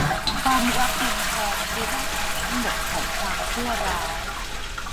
ความรักเงินทองคือรากฐานทั้งหมดของความชั่วร้าย